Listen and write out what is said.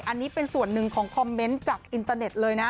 อันนี้เป็นส่วนหนึ่งของคอมเมนต์จากอินเตอร์เน็ตเลยนะ